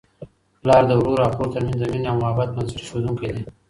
پلار د ورور او خور ترمنځ د مینې او محبت بنسټ ایښودونکی دی.